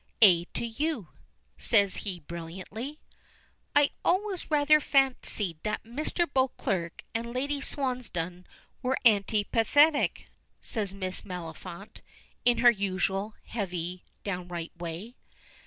"Eh, to you," says he brilliantly. "I always rather fancied that Mr. Beauclerk and Lady Swansdown were antipathetic," says Miss Maliphant in her usual heavy, downright way.